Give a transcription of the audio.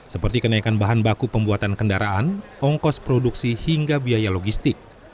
seperti kenaikan bahan baku pembuatan kendaraan ongkos produksi hingga biaya logistik